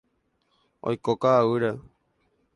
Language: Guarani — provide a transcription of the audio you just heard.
Oiko ka'aguýre.